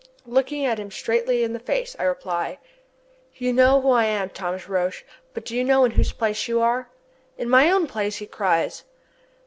Looking him straight in the face, I reply: "You know who I am, Thomas Roch, but do you know in whose place you are?" "In my own place!" he cries.